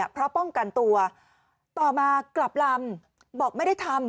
เพราะป้องกันตัวต่อมากลับลำบอกไม่ได้ทำ